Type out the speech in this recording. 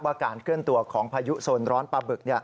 การเคลื่อนตัวของพายุโซนร้อนปลาบึก